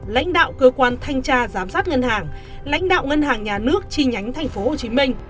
lãnh đạo cơ quan thanh tra giám sát ngân hàng lãnh đạo ngân hàng nhà nước chi nhánh tp hcm